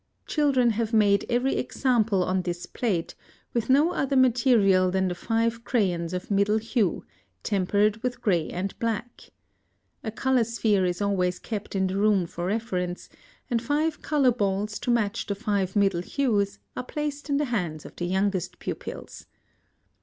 Children have made every example on this plate, with no other material than the five crayons of middle hue, tempered with gray and black. A Color Sphere is always kept in the room for reference, and five color balls to match the five middle hues are placed in the hands of the youngest pupils.